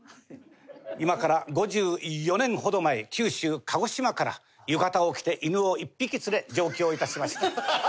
今から５４年ほど前九州鹿児島から浴衣を着て犬を１匹連れ上京致しました。